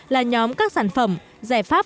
là nhóm các sản phẩm giải pháp